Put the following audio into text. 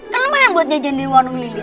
kan lumayan buat nyajan di warung lili